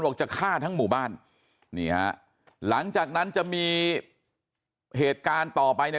จะฆ่าทั้งหมู่บ้านนี่ฮะหลังจากนั้นจะมีเหตุการณ์ต่อไปเนี่ย